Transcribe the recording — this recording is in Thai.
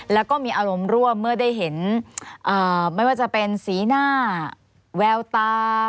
แล้วก็มีอารมณ์ร่วมเมื่อได้เห็นไม่ว่าจะเป็นสีหน้าแววตา